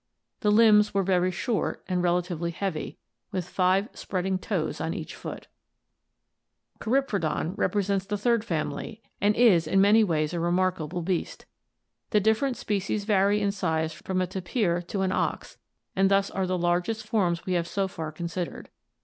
The limbs were very short and relatively heavy, with five spreading toes on each foot. Coryphodon (Fig. 179) represents the third family and is in many ways a remarkable beast. The different species vary in size from a tapir to an ox, and thus are the largest forms we have so far con sidered.